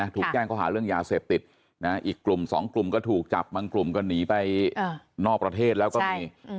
ถูกแจ้งเขาหาเรื่องยาเสพติดอีกกลุ่มสองกลุ่มก็ถูกจับบางกลุ่มก็หนีไปนอกประเทศแล้วก็มี